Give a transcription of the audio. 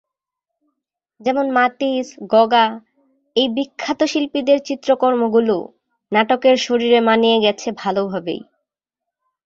যেমন মাতিস, গঁগা—এই বিখ্যাত শিল্পীদের চিত্রকর্মগুলো নাটকের শরীরে মানিয়ে গেছে ভালোভাবেই।